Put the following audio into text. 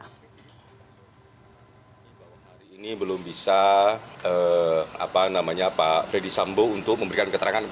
sampai hari ini belum bisa pak freddy sambo untuk memberikan keterangan